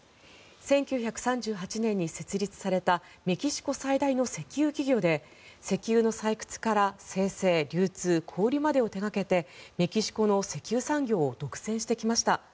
１９３８年に設立されたメキシコ最大の石油企業で石油の採掘から精製、流通小売りまでを手掛けてメキシコの石油産業を独占してきました。